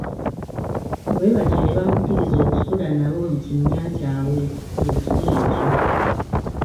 Bwe batyo ne bamukkiriza okusula nabo mu kinnya kyabwe ekilo ekyo.